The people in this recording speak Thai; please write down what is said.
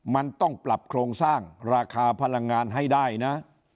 มันต้องปรับโครงสร้างราคาพลังงานให้ได้นะ